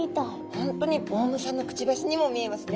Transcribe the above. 本当におうむさんのくちばしにも見えますね。